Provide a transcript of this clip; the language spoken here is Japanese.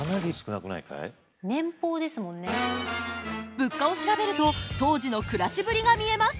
物価を調べると当時の暮らしぶりが見えます。